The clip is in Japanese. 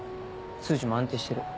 数値も安定してる。